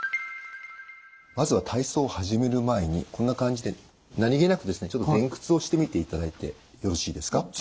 まずは体操を始める前にこんな感じで何気なくちょっと前屈をしてみていただいてよろしいですか？